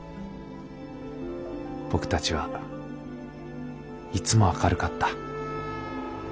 僕たちはいつも明るかった。